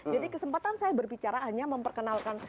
kesempatan saya berbicara hanya memperkenalkan